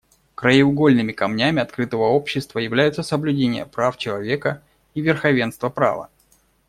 Краеугольными камнями открытого общества являются соблюдение прав человека и верховенство права.